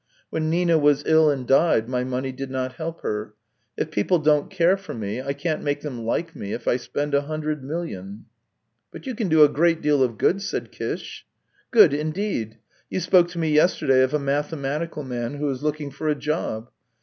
When Nina was ill and died, my money did not help her. If people don't care for me, I can't make them like me if I spend a hundred million." " But you can do a great deal of good," said Kish. " Good, indeed ! You spoke to me yesterday of a mathematical man who is looking for a job.